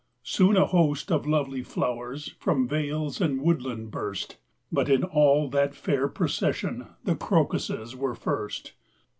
Soon a host of lovely flowers From vales and woodland burst; But in all that fair procession The crocuses were first.